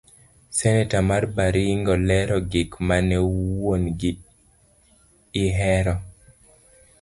Seneta mar Baringo lero gik mane wuon gi ihero.